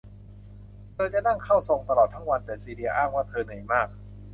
เธอจะนั่งเข้าทรงตลอดทั้งวัน แต่ซีเลียอ้างว่าเธอเหนื่อยมาก